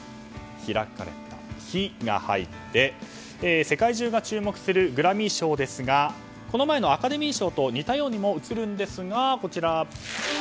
開かれたの「ヒ」が入って世界中が注目するグラミー賞ですがこの前のアカデミー賞と似たようにも映るんですが、こちら。